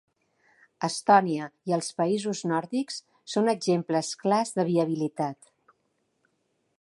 Estònia i els països nòrdics són exemples clars de viabilitat.